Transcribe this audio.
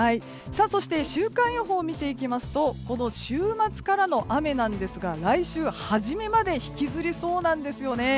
週間予報を見ていきますとこの週末からの雨なんですが来週初めまで引きずりそうなんですよね。